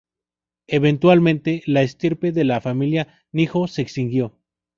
Eventualmente, la estirpe de la familia Nijō se extinguió.